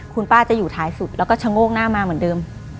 คุณป้าจะอยู่ท้ายสุดแล้วก็ชะโงกหน้ามาเหมือนเดิม